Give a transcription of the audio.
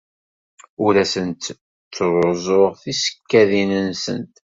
Ur asent-ttruẓuɣ tisekkadin-nsent.